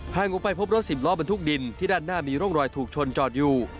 ออกไปพบรถสิบล้อบรรทุกดินที่ด้านหน้ามีร่องรอยถูกชนจอดอยู่